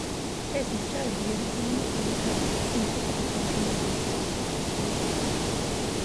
დღეს ისრაელი იერუსალიმის ძველი ქალაქის სომხურ კვარტალში მდებარეობს.